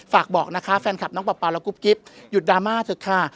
ฝากบอกนะคะแฟนคลับน้องเปล่าและกุ๊บกิ๊บหยุดดราม่าเถอะค่ะ